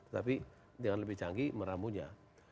tapi dengan lebih canggih meramunya